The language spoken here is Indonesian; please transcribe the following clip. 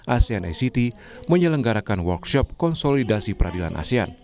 asean act menyelenggarakan workshop konsolidasi peradilan asean